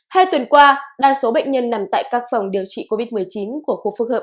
hai tuần qua đa số bệnh nhân nằm tại các phòng điều trị covid một mươi chín của khu phức hợp